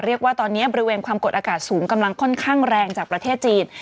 เรียกว่าตอนนี้บริเวณความกดอากาศสูงกำลังค่อนข้างแรงจากประเทศจีน